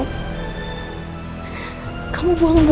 naik masuk ku